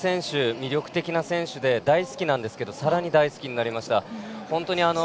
魅力的な選手で大好きなんですけどさらに大好きになりました。